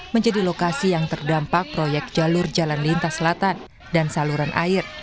menjadi lokasi yang terdampak proyek jalur jalan lintas selatan dan saluran air